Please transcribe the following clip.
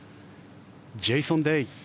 ジェイソン・デイ。